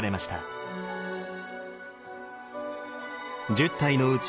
１０体のうち